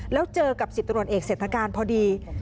แล้วเจอกับสิทธิตรวจเอกเศรษฐกาลพอดี